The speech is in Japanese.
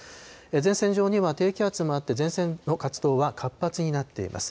前線上には低気圧もあって、前線の活動は活発になっています。